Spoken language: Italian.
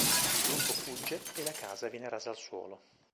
Il gruppo fugge e la casa viene rasa al suolo.